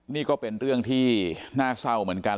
นี่ก็เป็นเรื่องที่น่าเศร้าเหมือนกัน